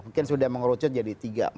mungkin sudah mengerucut jadi tiga empat